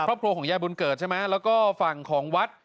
ของยายบุญเกิดใช่ไหมแล้วก็ฝั่งของวัด